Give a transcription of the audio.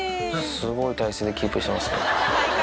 すごい体勢でキープしてますね。